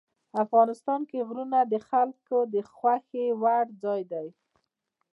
افغانستان کې غرونه د خلکو د خوښې وړ ځای دی.